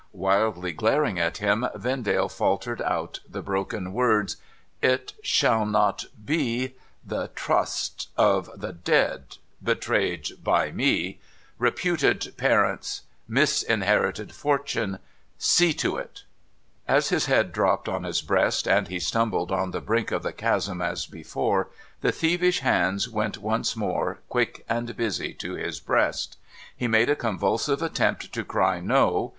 Wildly glaring at him, Vendale faltered out the broken words :' It shall not be— the trust — ^of the dead — betrayed by me — reputed parents — misinherited fortune — see to it !' As his head dropped on his breast, and he stumbled on the brink of the chasm as before, the thievish hands went once more, quick and busy, to his breast. He made a convulsive attempt to cry ' No